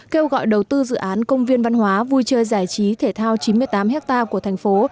kêu gọi đầu tư dự án công viên văn hóa vui chơi giải trí thể thao chín mươi tám hectare của thành phố